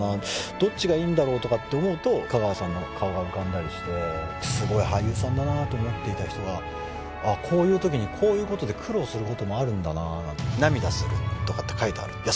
どっちがいいんだろうとかって思うと香川さんの顔が浮かんだりしてすごい俳優さんだなあと思っていた人がこういう時にこういうことで苦労することもあるんだな「涙する」とかって書いてあるいや